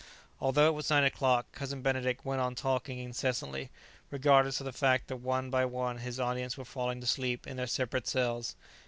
Although it was nine o'clock, Cousin Benedict went on talking incessantly, regardless of the fact that one by one his audience were falling to sleep in their separate cells.